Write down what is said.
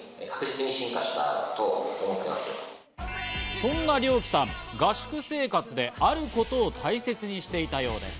そんなリョウキさん、合宿生活であることを大切にしていたようです。